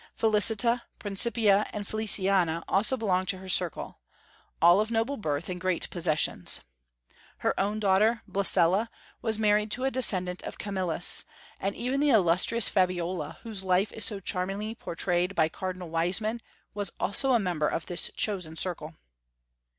Felicita, Principia, and Feliciana also belonged to her circle, all of noble birth and great possessions. Her own daughter, Blessella, was married to a descendant of Camillus; and even the illustrious Fabiola, whose life is so charmingly portrayed by Cardinal Wiseman, was also a member of this chosen circle.